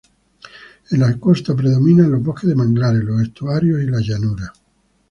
En la costa predominan los bosques de manglares, los estuarios y las llanuras.